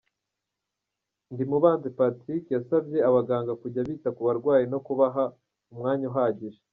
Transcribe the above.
Ndimubanzi Patrick yasabye abaganga kujya bita ku barwayi no kubaha umwanya uhagije.